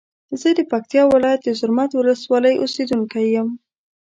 زه د پکتیا ولایت د زرمت ولسوالی اوسیدونکی یم.